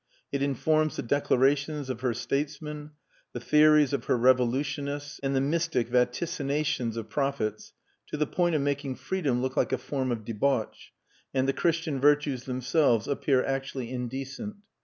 It informs the declarations of her statesmen, the theories of her revolutionists, and the mystic vaticinations of prophets to the point of making freedom look like a form of debauch, and the Christian virtues themselves appear actually indecent....